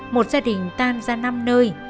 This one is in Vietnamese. một gia đình tan ra năm nơi